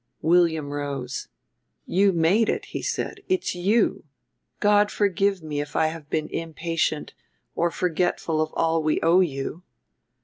William rose. "You made it," he said; "it's you. God forgive me if I have been impatient or forgetful of all we owe you."